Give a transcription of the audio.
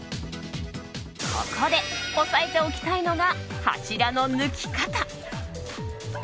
ここで押さえておきたいのが柱の抜き方。